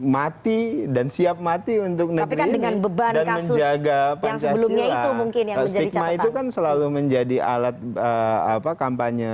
mati dan siap mati untuk menjaga penjagaan penjagaan mungkin selalu menjadi alat apa kampanye